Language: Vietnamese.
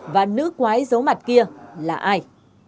và nữ quái giấu mặt kia là ai